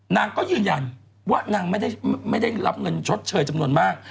นางก็ยืนยันว่านางไม่ได้รับเงินชดเชยจำนวนมาก